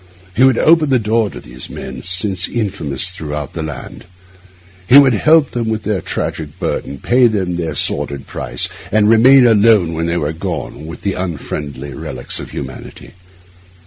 He would open the door to these men, since infamous throughout the land. He would help them with their tragic burden, pay them their sordid price, and remain alone, when they were gone, with the unfriendly relics of humanity.